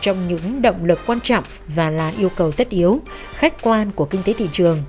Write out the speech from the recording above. trong những động lực quan trọng và là yêu cầu tất yếu khách quan của kinh tế thị trường